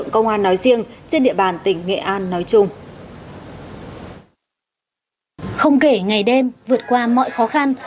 công an nói riêng trên địa bàn tỉnh nghệ an nói chung không kể ngày đêm vượt qua mọi khó khăn